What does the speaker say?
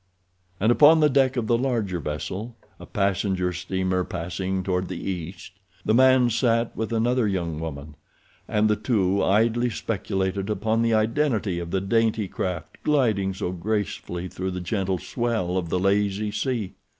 And upon the deck of the larger vessel, a passenger steamer passing toward the east, the man sat with another young woman, and the two idly speculated upon the identity of the dainty craft gliding so gracefully through the gentle swell of the lazy sea.